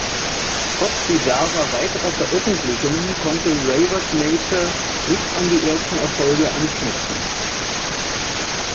Trotz diverser weiterer Veröffentlichungen konnte Raver’s Nature nicht an die ersten Erfolge anknüpfen.